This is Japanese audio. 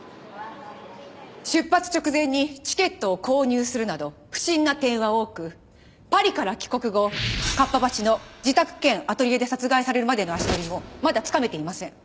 出発直前にチケットを購入するなど不審な点は多くパリから帰国後合羽橋の自宅兼アトリエで殺害されるまでの足取りもまだつかめていません。